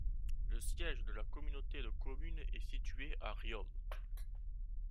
Le siège de la communauté de communes est situé à Riom.